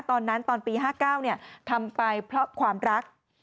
ตอนปี๕๙ทำไปเพราะความรัก